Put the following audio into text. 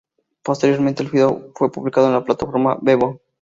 Posteriormente el video fue publicado en la plataforma Vevo.